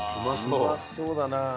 うまそうだなあ。